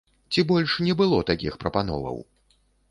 Ці больш не было такіх прапановаў?